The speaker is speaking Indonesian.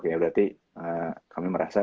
ya berarti kami merasa